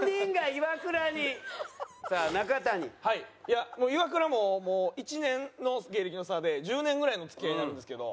イワクラももう１年の芸歴の差で１０年ぐらいの付き合いになるんですけど。